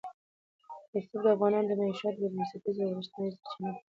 رسوب د افغانانو د معیشت یوه بنسټیزه او رښتینې سرچینه ده.